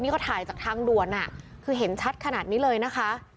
เขาถ่ายจากทางด่วนคือเห็นชัดขนาดนี้เลยนะคะ